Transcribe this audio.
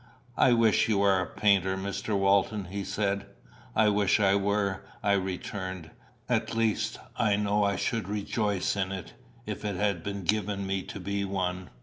"I wish you were a painter, Mr. Walton," he said. "I wish I were," I returned. "At least I know I should rejoice in it, if it had been given me to be one.